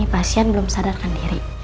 pasien belum sadarkan diri